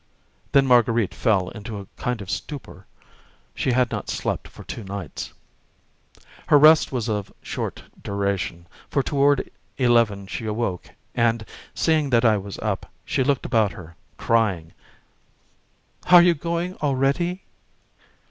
Then Marguerite fell into a kind of stupor. She had not slept for two nights. Her rest was of short duration, for toward eleven she awoke, and, seeing that I was up, she looked about her, crying: "Are you going already?"